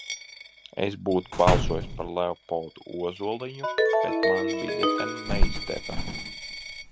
Es būtu balsojis par Leopoldu Ozoliņu, bet man biļetenu neizdeva.